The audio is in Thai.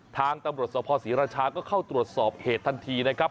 ทางตำรวจสภศรีราชาก็เข้าตรวจสอบเหตุทันทีนะครับ